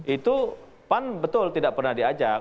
itu pan betul tidak pernah diajak